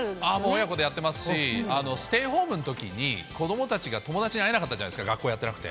親子でやってますし、ステイホームのときに、子どもたちが友達に会えなかったじゃないですか、学校やってなくて。